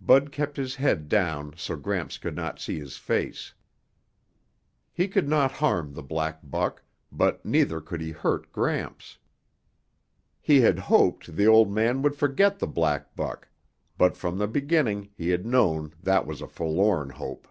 Bud kept his head down so Gramps could not see his face. He could not harm the black buck, but neither could he hurt Gramps. He had hoped the old man would forget the black buck, but from the beginning he had known that was a forlorn hope.